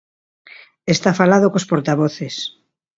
Está falado cos portavoces.